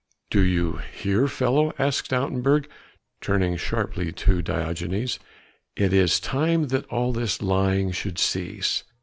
"Do you hear, fellow?" asked Stoutenburg, turning sharply to Diogenes, "it is time that all this lying should cease.